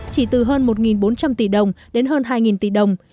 chỉ từ hơn một bốn trăm linh tỷ đồng đến hơn hai tỷ đồng